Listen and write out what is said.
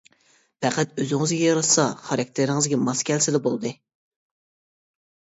پەقەت ئۆزىڭىزگە ياراشسا، خاراكتېرىڭىزگە ماس كەلسىلا بولدى.